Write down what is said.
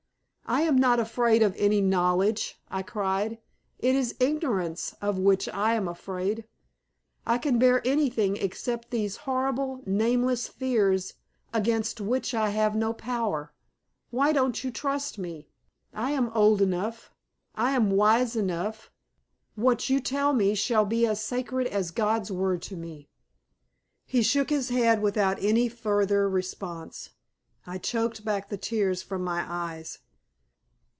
"I am not afraid of any knowledge," I cried. "It is ignorance of which I am afraid. I can bear anything except these horrible, nameless fears against which I have no power. Why don't you trust me? I am old enough. I am wise enough. What you tell me shall be as sacred as God's word to me." He shook his head without any further response. I choked back the tears from my eyes.